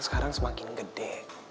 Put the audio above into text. sekarang semakin gede